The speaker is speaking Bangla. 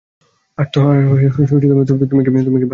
আর তুমি কি বাস্তবে এমনই, স্প্রাইট?